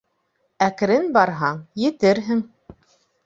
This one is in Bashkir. Әкрен барһаң, етерһең